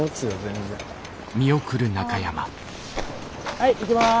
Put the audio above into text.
はい行きます。